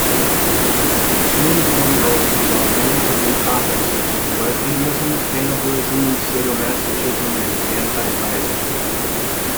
Swinburne wrote about many taboo topics, such as lesbianism, cannibalism, sado-masochism, and anti-theism.